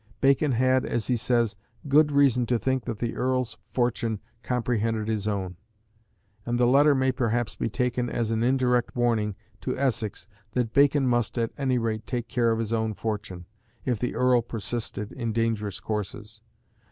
Bacon had, as he says, "good reason to think that the Earl's fortune comprehended his own." And the letter may perhaps be taken as an indirect warning to Essex that Bacon must, at any rate, take care of his own fortune, if the Earl persisted in dangerous courses.